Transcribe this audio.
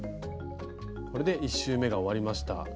これで１周目が終わりました。